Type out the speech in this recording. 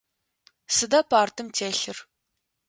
Сыда партым телъыр?